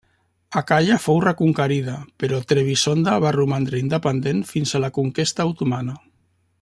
Acaia fou reconquerida, però Trebisonda va romandre independent fins a la conquesta otomana.